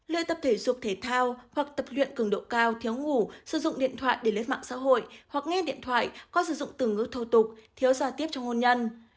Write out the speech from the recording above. lưu tập thể dục thể thao hoặc tập luyện cường độ cao thiếu ngủ sử dụng điện thoại để lết mạng xã hội hoặc nghe điện thoại có sử dụng từ ngữ thô tục thiếu gia tiếp trong hôn nhân